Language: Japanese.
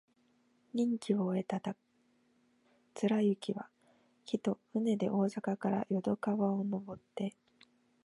任期を終えた貫之は、帰途、船で大阪から淀川をのぼって、